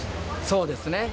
そうですね。